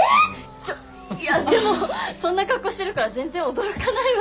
でもそんな格好してるから全然驚かないわ。